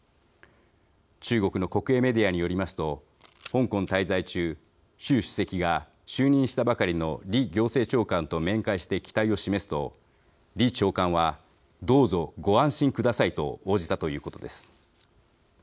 中国の国営メディアによりますと香港滞在中、習主席が就任したばかりの李行政長官と面会して期待を示すと李長官は「どうぞご安心ください」と応じたということです。